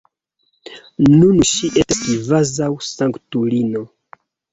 Nun ŝi estas kvazaŭ sanktulino.